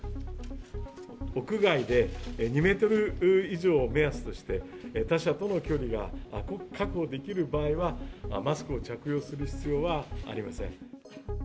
屋外で２メートル以上を目安として、他者との距離が確保できる場合は、マスクを着用する必要はありません。